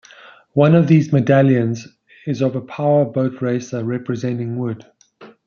One of these medallions is of a power boat racer, representing Wood.